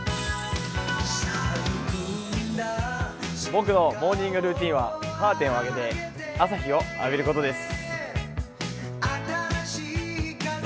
僕のモーニングルーチンはカーテンを開けて朝日を浴びることです。